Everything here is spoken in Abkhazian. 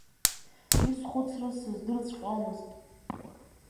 Исхәыцрыз сыздырҵәҟьомызт.